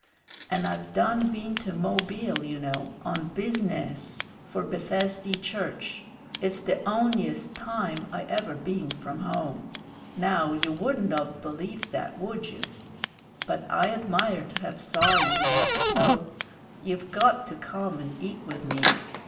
"And I've done been to Mobile, you know, on busi_ness_ for Bethesdy Church. It's the on'yest time I ever been from home; now you wouldn't of believed that, would you? But I admire to have saw you, that's so. You've got to come and eat with me.